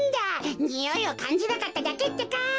においをかんじなかっただけってか！